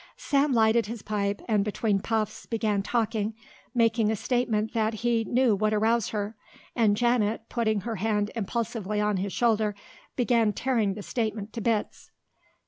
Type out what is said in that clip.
Sam lighted his pipe and between puffs began talking, making a statement that he knew would arouse her, and Janet, putting her hand impulsively on his shoulder, began tearing the statement to bits.